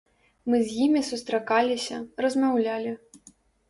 Мы з імі сустракаліся, размаўлялі.